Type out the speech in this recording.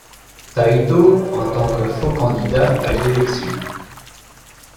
Tayto en tant que faux candidat à l'élection.